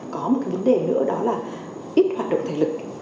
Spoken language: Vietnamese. có một cái vấn đề nữa đó là ít hoạt động thể lực